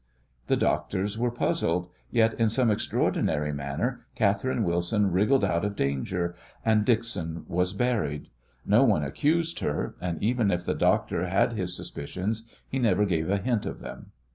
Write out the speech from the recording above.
The doctors were puzzled, yet in some extraordinary manner Catherine Wilson wriggled out of danger, and Dixon was buried. No one accused her, and even if the doctor had his suspicions he never gave a hint of them.